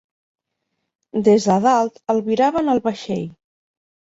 Des de dalt albiraven el vaixell.